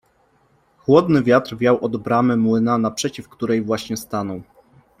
Chłodny wiatr wiał od bramy młyna, naprzeciw której właśnie stanął.